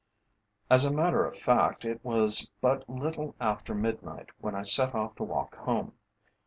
As a matter of fact it was but little after midnight when I set off to walk home.